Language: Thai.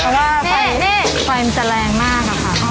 แล้วก็ไฟมันจะแรงมากนะคะ